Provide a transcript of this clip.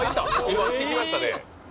今いきましたね